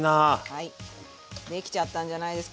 はい。